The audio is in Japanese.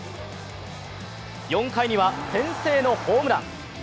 ４回には先制のホームラン。